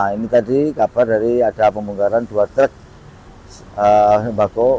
ini tadi kabar dari ada pembongkaran dua truk sembako